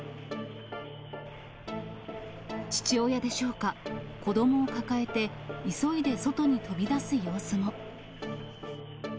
父親でしょうか、子どもを抱えて、急いで外に飛び出す様子も。